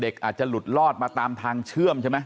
อาจจะหลุดลอดมาตามทางเชื่อมใช่ไหม